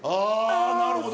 なるほど。